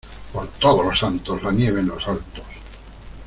Por Todos los Santos, la nieve en los altos.